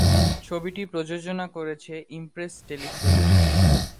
ছবিটি প্রযোজনা করেছে ইমপ্রেস টেলিফিল্ম।